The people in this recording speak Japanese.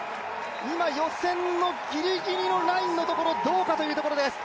今、予選のギリギリのラインのところ、どうかというところです。